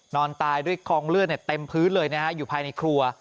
นอนตายด้วยกองเลือดเต็มพื้นเลยนะฮะอยู่ภายในครัว